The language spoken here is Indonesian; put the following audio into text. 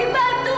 ibu mencintai aku